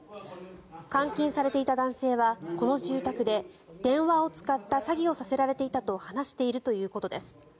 監禁されていた男性はこの住宅で電話を使った詐欺をさせられていたと話しているということです。